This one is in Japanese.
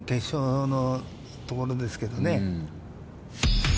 いつものところですけどね。